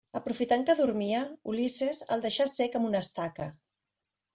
Aprofitant que dormia, Ulisses, el deixà cec amb una estaca.